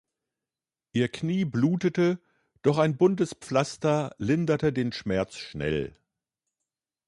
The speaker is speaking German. Ihr knie blutete, doch ein buntes Pflaster linderte den Schmerz schnell.